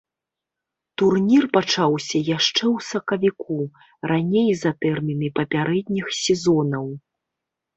Турнір пачаўся яшчэ ў сакавіку, раней за тэрміны папярэдніх сезонаў.